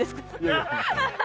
ハハハハ！